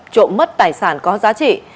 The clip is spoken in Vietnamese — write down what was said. trộm mất tài sản có giá trị